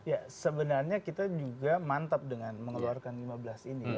ya sebenarnya kita juga mantap dengan mengeluarkan lima belas ini